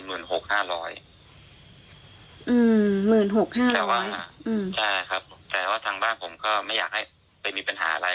ใช่ครับแต่ว่าทางบ้านผมก็ไม่อยากให้มีเป็นอะไร